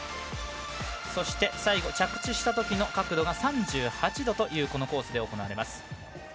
そして、最後着地したときの角度が３８度というコースで行われます。